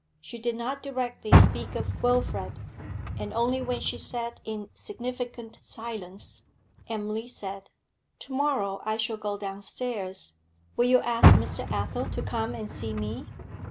She did not directly speak of Wilfrid, and only when she sat in significant silence, Emily said: 'To morrow I shall go downstairs. Will you ask Mr. Athel to come and see me?'